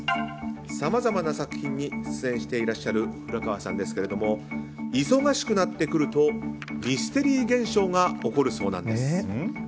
さまざまな作品に出演していらっしゃる古川さんですけれども忙しくなってくるとミステリー現象が起こるそうなんです。